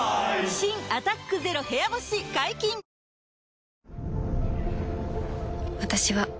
新「アタックＺＥＲＯ部屋干し」解禁‼ヘイ！